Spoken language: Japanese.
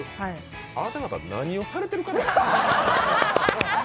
あなた方、何をされてる方なんですか？